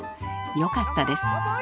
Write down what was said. よかったです。